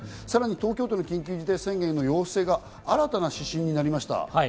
さらに東京都の緊急事態宣言の要請が新たな指針になりました。